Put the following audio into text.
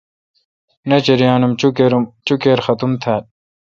ناچریانو اں چوکیر ختم تھال۔